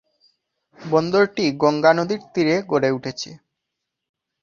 বন্দরটি গঙ্গা নদীর তীরে গড়ে উঠেছে।